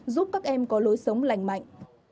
giúp các em có lối sống lành mạnh